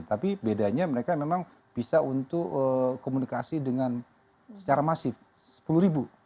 tapi bedanya mereka memang bisa untuk komunikasi dengan secara masif sepuluh ribu